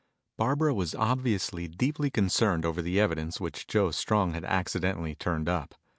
Barbara was obviously deeply concerned over the evidence which Joe Strong had accidently turned up.